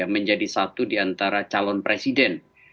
menjadi satu di antara calon presiden